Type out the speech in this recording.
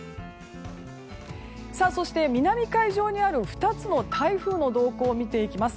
そして、南海上にある２つの台風の動向を見ていきます。